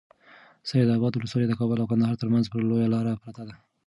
سید اباد ولسوالي د کابل او کندهار ترمنځ پر لویه لاره پرته ده.